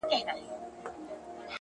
باور د هڅې لومړی قدم دی.!